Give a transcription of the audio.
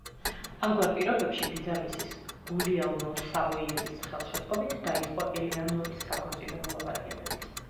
ამგვარ პირობებში, ბიძამისის, გულიელმო სავოიელის ხელშეწყობით დაიწყო ელეანორის საქორწინო მოლაპარაკებებიც.